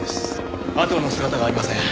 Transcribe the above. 阿藤の姿がありません。